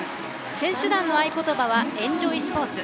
選手団の合言葉は「エンジョイスポーツ」。